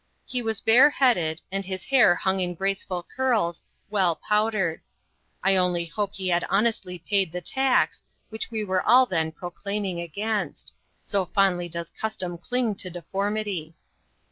He was bare headed, and his hair hung in graceful curls, well powdered. I only hope he had honestly paid the tax, which we were all then exclaiming against so fondly does custom cling to deformity.